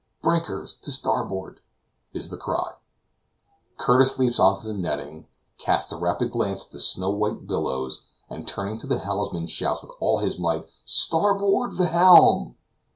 "Breakers to starboard!" is the cry. Curtis leaps on to the netting, casts a rapid glance at the snow white billows, and turning to the helmsman shouts with all his might, "Starboard the helm!"